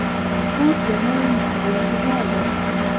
کورس د نویو نظریاتو ځای دی.